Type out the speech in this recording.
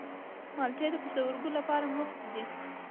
مالټې د پښتورګو لپاره مفیدې دي.